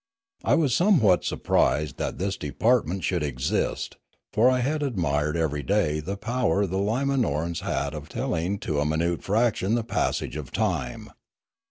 I was somewhat sur prised that this department should exist, for I had admired every day the power the Limanoraus had of telling to a minute fraction the passage of time.